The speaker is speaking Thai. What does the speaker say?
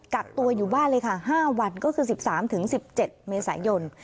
กักตัวอยู่บ้านเลยค่ะ๕วันก็คือ๑๓๑๗เมษายน